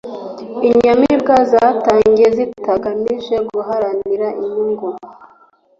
Inyamibwa zatangiye zitagamije guharanira inyungu